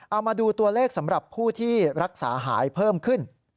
เอามาดูตัวเลขสำหรับผู้ที่รักษาหายเพิ่มขึ้น